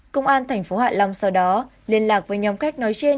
công an thành phố hạ long sau đó liên lạc với nhóm khách nói trên